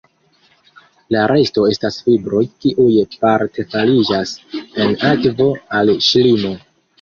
La resto estas fibroj, kiuj parte fariĝas en akvo al ŝlimo.